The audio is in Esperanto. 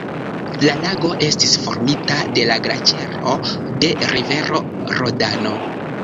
La lago estis formita de la glaĉero de rivero Rodano.